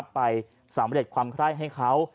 ไปสำเร็จความไคร้ให้เขา